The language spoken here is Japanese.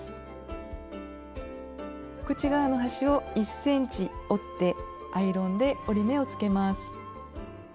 口側の端を１ｃｍ折ってアイロンで折り目をつけます。